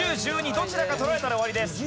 どちらか取られたら終わりです。